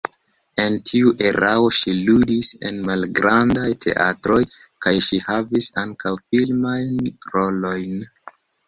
En tiu erao ŝi ludis en malgrandaj teatroj kaj ŝi havis ankaŭ filmajn rolojn.